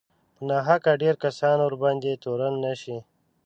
په ناحقه ډېر کسان ورباندې تورن نه شي